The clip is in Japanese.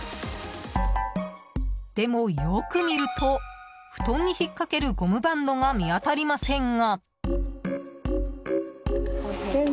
でも、よく見ると布団に引っかけるゴムバンドが見当たりませんが。